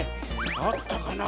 あったかな？